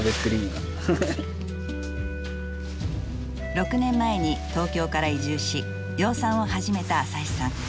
６年前に東京から移住し養蚕を始めた浅井さん。